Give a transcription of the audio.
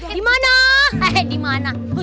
tidak ada tanah tanah